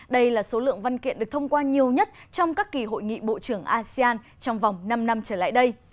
đây là số lượng văn kiện được thông qua nhiều nhất trong các kỳ hội nghị bộ trưởng asean trong vòng năm năm trở lại đây